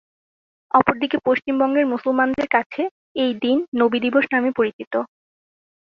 অপরদিকে পশ্চিমবঙ্গের মুসলমানদের কাছে এই দিন নবী দিবস নামে পরিচিত।